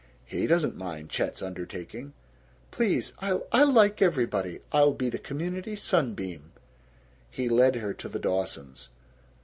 HE doesn't mind Chet's undertaking." "Please! I'll I'll like everybody! I'll be the community sunbeam!" He led her to the Dawsons.